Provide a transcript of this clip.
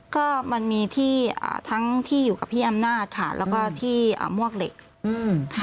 ก็มันมีที่ทั้งที่อยู่กับพี่อำนาจค่ะแล้วก็ที่มวกเหล็กค่ะ